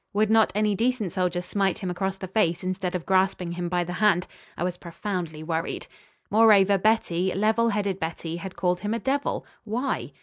Would not any decent soldier smite him across the face instead of grasping him by the hand? I was profoundly worried. Moreover Betty, level headed Betty, had called him a devil. Why?